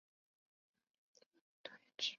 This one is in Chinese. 糙叶树是榆科糙叶树属的植物。